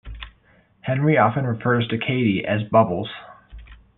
Henry often refers to Katie as Bubbles.